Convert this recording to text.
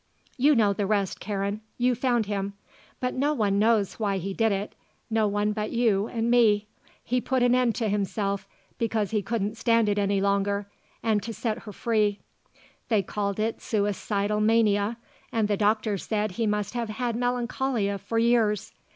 "You know the rest, Karen. You found him. But no one knows why he did it, no one but you and me. He put an end to himself, because he couldn't stand it any longer, and to set her free. They called it suicidal mania and the doctors said he must have had melancholia for years.